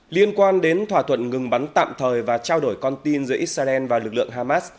liên quan đến thỏa thuận ngừng bắn tạm thời và trao đổi con tin giữa israel và lực lượng hamas